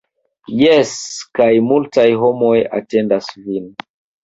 - Jes kaj multaj homoj atendas vin